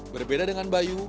berbeda dengan bayu